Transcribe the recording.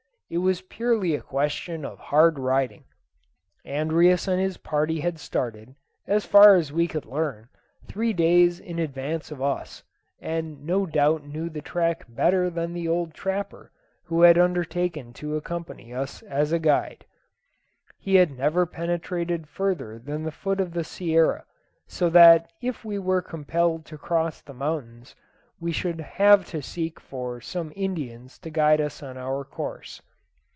It was purely a question of hard riding. Andreas and his party had started, as far as we could learn, three days in advance of us, and no doubt knew the track better than the old trapper who had undertaken to accompany us as guide. He had never penetrated further than the foot of the Sierra, so that if we were compelled to cross the mountains we should have to seek for some Indians to guide us on our course.